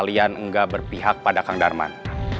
selama kalian gak berpihak pada kang darman